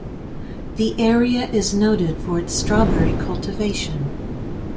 The area is noted for its strawberry cultivation.